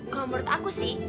kalau menurut aku sih